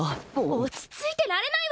落ち着いてられないわよ！